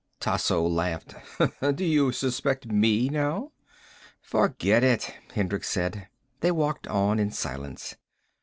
Tasso laughed. "Do you suspect me, now?" "Forget it," Hendricks said. They walked on in silence.